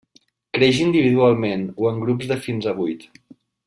Creix individualment o en grups de fins a vuit.